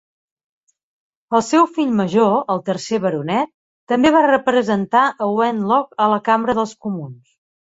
El seu fill major, el tercer baronet, també va representar a Wenlock a la Cambra dels Comuns.